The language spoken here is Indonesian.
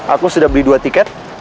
aku sudah beli dua tiket